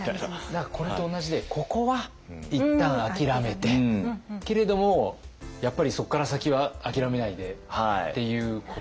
何かこれと同じでここは一旦あきらめてけれどもやっぱりそこから先はあきらめないでっていうことなんですね。